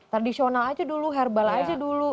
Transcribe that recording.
tradisional aja dulu herbal aja dulu